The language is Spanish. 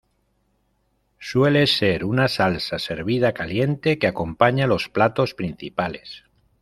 Suele ser una salsa servida caliente que acompaña los platos principales.